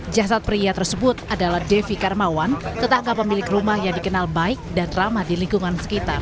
jasad pria tersebut adalah devi karmawan tetangga pemilik rumah yang dikenal baik dan ramah di lingkungan sekitar